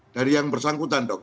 dari yang bersangkutan dong